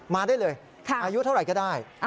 มาได้เลยอายุเท่าไหร่ก็ได้